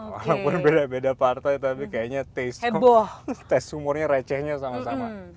walaupun beda beda partai tapi kayaknya tes umurnya recehnya sama sama